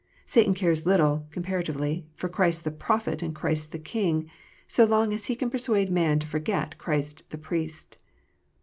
Satan cares little, comparatively, for Christ the Prophet, and Christ the King, so long as he can persuade man to forget Christ the Priest.